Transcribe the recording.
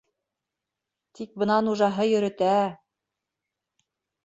Тик бына нужаһы йөрөтә.